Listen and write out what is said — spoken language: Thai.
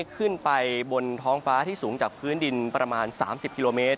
ขึ้นไปบนท้องฟ้าที่สูงจากพื้นดินประมาณ๓๐กิโลเมตร